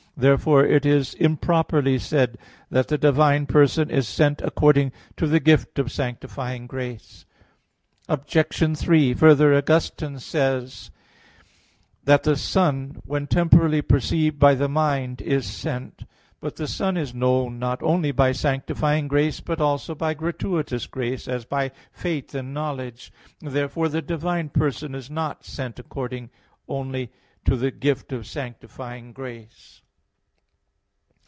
Therefore it is improperly said that the divine person is sent according to the gift of sanctifying grace. Obj. 3: Further, Augustine says (De Trin. iv, 20) that "the Son, when temporally perceived by the mind, is sent." But the Son is known not only by sanctifying grace, but also by gratuitous grace, as by faith and knowledge. Therefore the divine person is not sent only according to the gift of sanctifying grace.